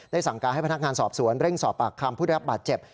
สั่งการให้พนักงานสอบสวนเร่งสอบปากคำผู้ได้รับบาดเจ็บ